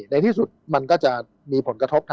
ในที่สุดมันก็จะมีผลกระทบ